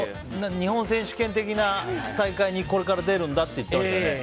日本選手権的な大会にこれから出るんだって言ってましたね。